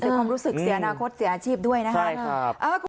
ความรู้สึกเสียอนาคตเสียอาชีพด้วยนะครับ